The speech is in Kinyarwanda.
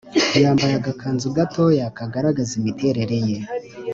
yambaye agakanzu gatoya kagaragaza imiterere ye